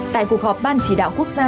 tại cuộc họp ban chỉ đạo quốc gia